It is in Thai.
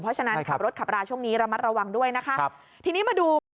เพราะฉะนั้นขับรถขับราช่วงนี้ระมัดระวังด้วยนะคะครับทีนี้มาดู